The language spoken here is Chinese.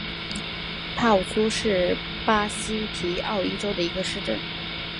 帕武苏是巴西皮奥伊州的一个市镇。